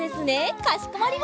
かしこまりました。